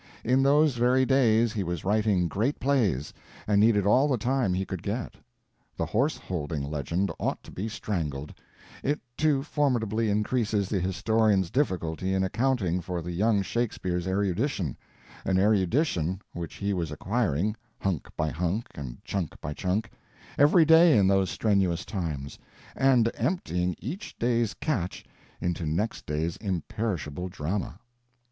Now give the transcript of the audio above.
In those very days he was writing great plays, and needed all the time he could get. The horse holding legend ought to be strangled; it too formidably increases the historian's difficulty in accounting for the young Shakespeare's erudition—an erudition which he was acquiring, hunk by hunk and chunk by chunk, every day in those strenuous times, and emptying each day's catch into next day's imperishable drama.